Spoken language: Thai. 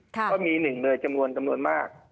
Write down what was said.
ก็มีจำนวนจำนวนมาก